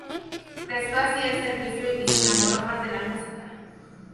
Prestó así el servicio y se enamoró más de la música.